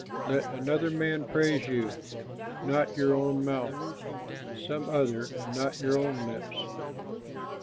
Let another man praise you, not your own mouth; Some other, and not your own lips.